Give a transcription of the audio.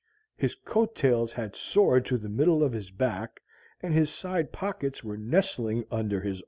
His coat tails had soared to the middle of his back, and his side pockets were nestling under his armpits.